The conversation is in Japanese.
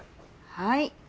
はい。